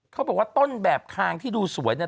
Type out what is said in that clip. เขาบอกว่าต้นแบบคางที่ดูสวยเนี่ย